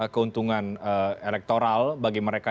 keuntungan elektoral bagi mereka